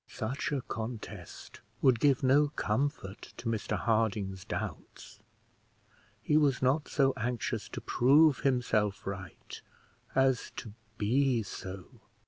Such a contest would give no comfort to Mr Harding's doubts. He was not so anxious to prove himself right, as to be so.